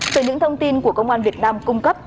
từ những thông tin của công an việt nam cung cấp